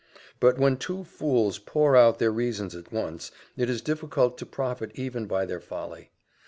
But when two fools pour out their reasons at once, it is difficult to profit even by their folly.